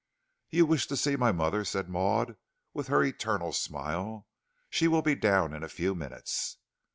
"You wish to see my mother," said Maud, with her eternal smile. "She will be down in a few minutes."